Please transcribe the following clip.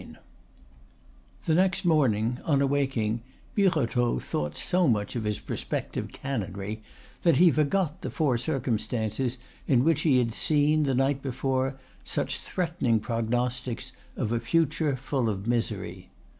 II The next morning, on awaking, Birotteau thought so much of his prospective canonry that he forgot the four circumstances in which he had seen, the night before, such threatening prognostics of a future full of misery.